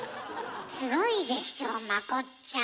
すごいでしょまこっちゃん！